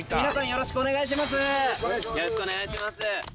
よろしくお願いします。